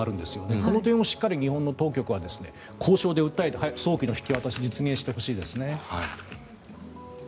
この点をしっかり日本の当局は交渉で訴えて早期の引き渡しを実現してほしいですね。